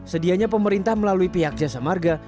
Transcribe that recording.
sedianya pemerintah melalui pihak jasa marga